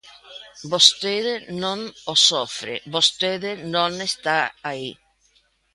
Vostede non o sofre, vostede non está aí.